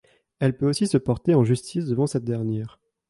Elle peut aussi se porter en justice devant cette dernière.